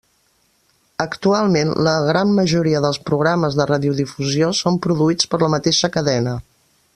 Actualment, la gran majoria dels programes de radiodifusió són produïts per la mateixa cadena.